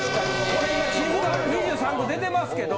これ今地図が２３区出てますけど。